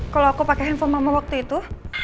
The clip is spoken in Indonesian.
kalau aku pakai handphone mama waktu itu